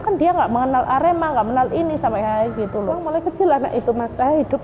kan dia enggak mengenal arema enggak menang ini sampai gitu mulai kecil anak itu mas saya hidup